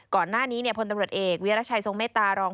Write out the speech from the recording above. ก่อนหน้านี้พลตำรวจเอกวิรัชัยทรงเมตตารอง